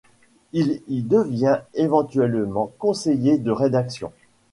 Il y devient éventuellement conseiller de rédaction.